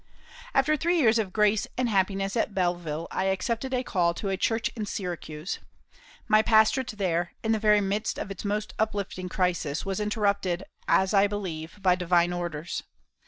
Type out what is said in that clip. After three years of grace and happiness at Belleville I accepted a call to a church in Syracuse. My pastorate there, in the very midst of its most uplifting crisis, was interrupted, as I believe, by Divine orders.